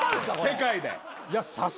世界で。